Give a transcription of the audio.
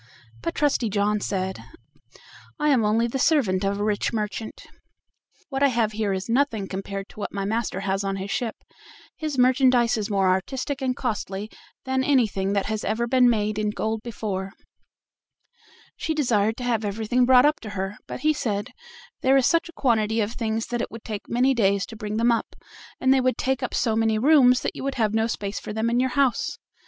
But Trusty John said: "I am only the servant of a rich merchant, what I have here is nothing compared to what my master has on his ship; his merchandise is more artistic and costly than anything that has ever been made in gold before." She desired to have everything brought up to her, but he said: "There is such a quantity of things that it would take many days to bring them up, and they would take up so many rooms that you would have no space for them in your house."